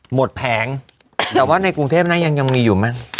หมดแผงแต่ว่าในกรุงเทพยังยังมีอยู่มั้ง